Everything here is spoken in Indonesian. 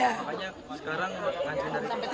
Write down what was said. makanya sekarang kan jenderal